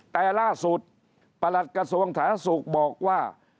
แต่ล่าสุดประหลัทกระศวงศ์ถสุกบอกว่า